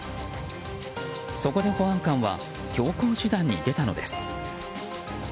そこで保安官は強硬手段に出たのです。